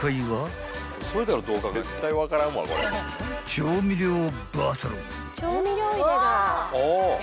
［調味料ボトル］